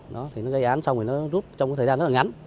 nó gây án xong rồi nó rút trong thời gian rất là ngắn